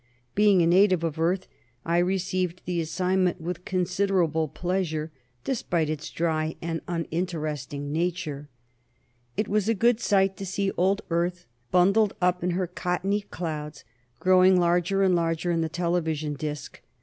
Being a native of Earth, I received the assignment with considerable pleasure, despite its dry and uninteresting nature. It was a good sight to see old Earth, bundled up in her cottony clouds, growing larger and larger in the television disc.